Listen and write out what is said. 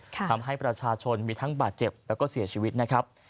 ทำให้ประชาชนมีทั้งบาดเจ็บแล้วก็เสียชีวิตนะครับ